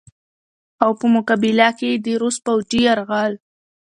او په مقابله کښې ئې د روس فوجي يرغل